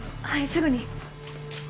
はいすぐに。